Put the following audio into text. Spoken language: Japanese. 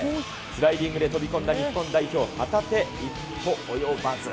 スライディングで飛び込んだ日本代表、片手一歩及ばず。